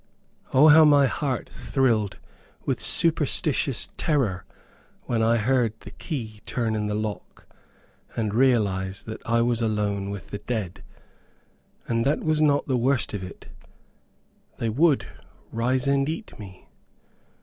O, how my heart thrilled with superstitious terror when I heard the key turn in the lock, and realized that I was alone with the dead! And that was not the worst of it. They would rise and eat me!